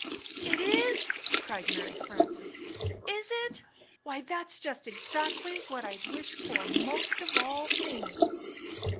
"Is it?" cried Mary Frances. "Is it? Why, that's just exactly what I'd wish for most of all things!"